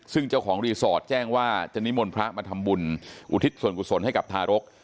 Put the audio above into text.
ซึ่งเจ้าของรีสอร์ทแจ้งว่าจะนิมนต์พระมาทำบุญอุทิศส่วนกุศลให้กับทารก